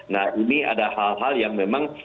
nah ini ada hal hal yang memang